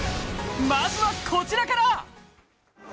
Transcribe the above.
まずはこちらから！